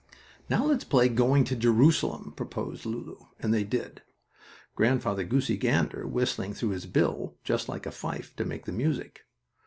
"Now let's play going to Jerusalem," proposed Lulu, and they did, Grandfather Goosey Gander whistling through his bill, just like a fife, to make the music.